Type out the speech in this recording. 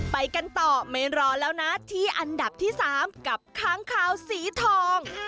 ไปกันต่อไม่รอแล้วนะที่อันดับที่๓กับค้างคาวสีทอง